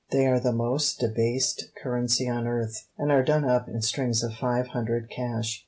They are the most debased currency on earth, and are done up in strings of five hundred cash.